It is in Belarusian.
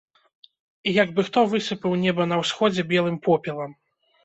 Як бы хто высыпаў неба на ўсходзе белым попелам.